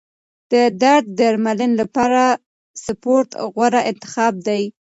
د درد درملنې لپاره سپورت غوره انتخاب دی.